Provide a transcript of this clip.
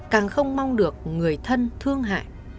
càng không mong được người thân thương hại